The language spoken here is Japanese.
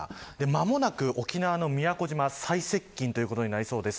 間もなく沖縄の宮古島最接近ということになりそうです。